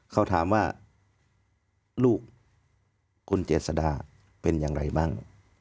เขาถามว่าลูกคุณเจษดาเป็นอย่างไรบ้าง